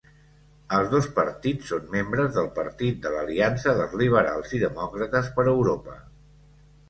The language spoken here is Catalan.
Els dos partits són membres del Partit de l'Aliança dels Liberals i Demòcrates per Europa.